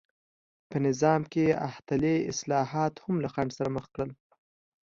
په نظام کې احتلي اصلاحات هم له خنډ سره مخ کړل.